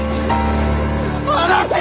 離せ！